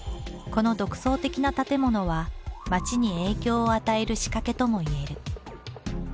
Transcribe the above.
この独創的な建物は街に影響を与える仕掛けともいえる。